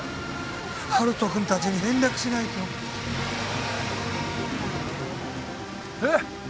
温人君達に連絡しないとえっ？